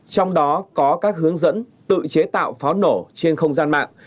trong đó có các hướng dẫn tự chế tạo pháo nổ trên không gian mạng